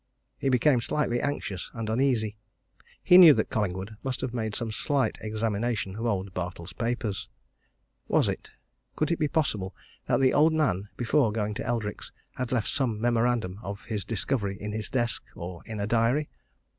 He became slightly anxious and uneasy. He knew that Collingwood must have made some slight examination of old Bartle's papers. Was it could it be possible that the old man, before going to Eldrick's, had left some memorandum of his discovery in his desk or in a diary?